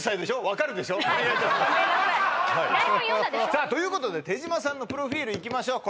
さあということで手島さんのプロフィールいきましょう